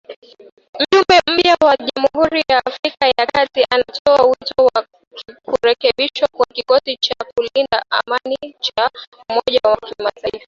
Mjumbe mpya wa Jamhuri ya Afrika ya Kati anatoa wito wa kurekebishwa kwa kikosi cha kulinda amani cha Umoja wa Mataifa